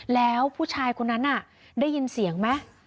แล้วผู้ชายคนนั้นน่ะได้ยินเสียงไหม